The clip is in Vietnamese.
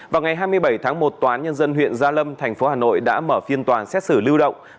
vào ngày hai mươi bảy tháng một toán nhân dân huyện gia lâm tp hà nội đã mở phiên toàn xét xử lưu động